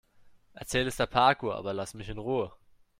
Erzähl es der Parkuhr, aber lass mich in Ruhe.